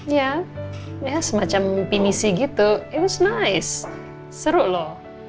iya ya semacam pinisi gitu it was nice seru loh